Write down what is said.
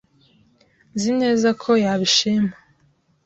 Nzi neza ko yabishima.